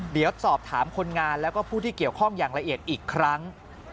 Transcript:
เดี๋ยวสอบถามคนงานแล้วก็ผู้ที่เกี่ยวข้องอย่างละเอียดอีกครั้ง